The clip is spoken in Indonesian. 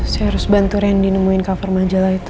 saya harus bantu randy nemuin cover majalah itu